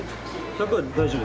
１００は大丈夫？